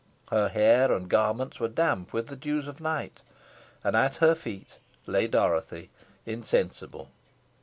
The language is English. Her hair and garments were damp with the dews of night; and at her feet lay Dorothy, insensible.